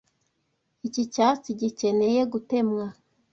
Iki cyatsi gikeneye gutemwa.